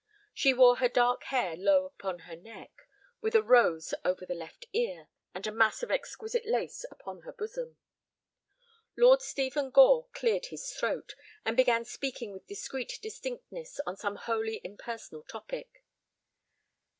She wore her dark hair low upon her neck, with a rose over the left ear, and a mass of exquisite lace upon her bosom. Lord Stephen Gore cleared his throat, and began speaking with discreet distinctness on some wholly impersonal topic.